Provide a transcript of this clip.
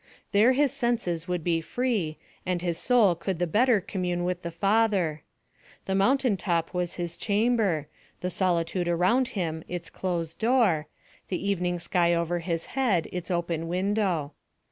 There his senses would be free, and his soul could the better commune with the Father. The mountain top was his chamber, the solitude around him its closed door, the evening sky over his head its open window.